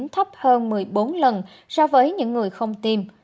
thấp hơn một mươi bốn lần so với những người không tiêm